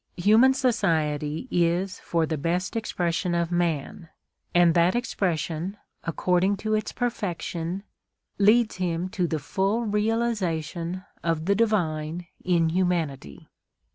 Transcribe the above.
Human society is for the best expression of man, and that expression, according to its perfection, leads him to the full realisation of the divine in humanity.